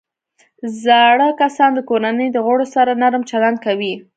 زاړه کسان د کورنۍ د غړو سره نرم چلند کوي